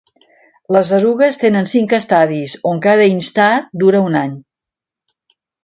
Les erugues tenen cinc estadis, on cada instar dura un any.